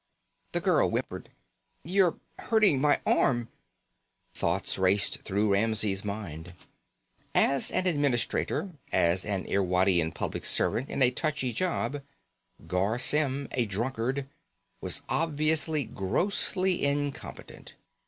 The girl whimpered: "You are hurting my arm." Thoughts raced through Ramsey's mind. As an administrator, as an Irwadian public servant in a touchy job, Garr Symm, a drunkard, was obviously grossly incompetent.